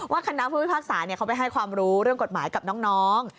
คณะผู้พิพากษาเขาไปให้ความรู้เรื่องกฎหมายกับน้อง